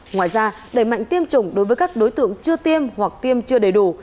ngoài ra đẩy mạnh tiêm chủng đối với các đối tượng chưa tiêm hoặc tiêm chưa đầy đủ